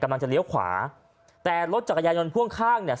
เลี้ยวขวาแต่รถจักรยานยนต์พ่วงข้างเนี่ย